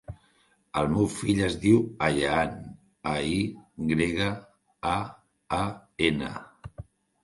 El meu fill es diu Ayaan: a, i grega, a, a, ena.